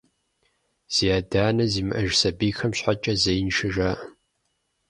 Зи адэ-анэ зимыӏэж сабийхэм щхьэкӏэ зеиншэ жаӏэ.